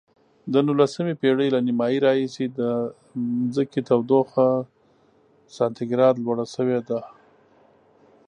د نولسمې پیړۍ له نیمایي راهیسې د ځمکې تودوخه سانتي ګراد لوړه شوې ده.